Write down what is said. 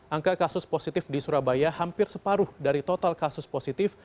angka kasus positif di surabaya hampir separuh dari total kasus positif